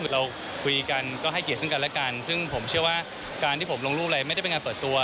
คือเราคุยกันก็ให้เกียรติซึ่งกันและกันซึ่งผมเชื่อว่าการที่ผมลงรูปอะไรไม่ได้เป็นงานเปิดตัว